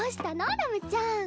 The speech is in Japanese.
ラムちゃん。